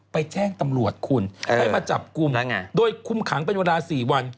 แจ้งตำรวจคุณให้มาจับกลุ่มโดยคุมขังเป็นเวลา๔วัน